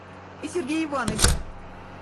И Сергей Иваныч!